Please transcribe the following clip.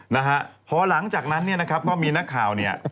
นะฮะพอหลังจากนั้นเนี่ยนะครับก็มีนักข่าวเนี่ย